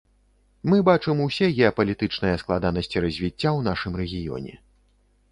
Мы бачым усе геапалітычныя складанасці развіцця ў нашым рэгіёне.